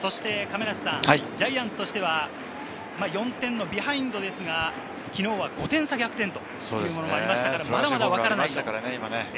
ジャイアンツとしては４点のビハインドですが、昨日は５点差逆転というのもありましたから、まだまだわからない。